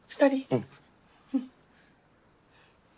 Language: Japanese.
うん。